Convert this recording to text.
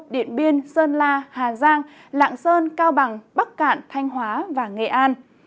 điện biên sơn la hà giang lạng sơn cao bằng bắc cạn thanh hóa và nghệ an